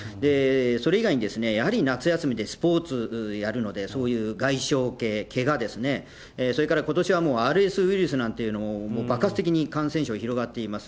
それ以外にやはり夏休みでスポーツやるので、そういう外傷系、けがですね、それからことしはＲＳウイルスなんていうのももう爆発的に感染症広がっています。